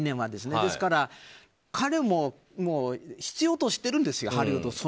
ですから彼を必要としているんですよハリウッド